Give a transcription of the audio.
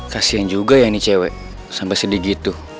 kasian juga ya ini cewek sampai sedih gitu